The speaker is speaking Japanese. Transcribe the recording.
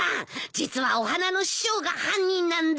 実はお花の師匠が犯人なんだ。